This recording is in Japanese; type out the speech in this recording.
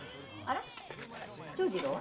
長次郎は？